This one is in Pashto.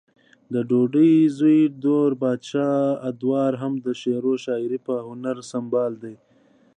ددوي زوے دور بادشاه ادوار هم د شعرو شاعرۍ پۀ هنر سنبال دے